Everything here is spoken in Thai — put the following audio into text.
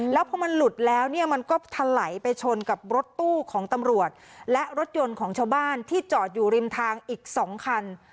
แล้วพอมันหลุดแล้วเนี่ยมันก็ถลายไปชนกับรถตู้ของตำรวจและรถยนต์ของชาวบ้านที่จอดอยู่ริมทางอีก๒คัน